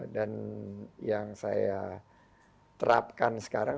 dan yang saya terapkan sekarang